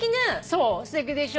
そうすてきでしょ。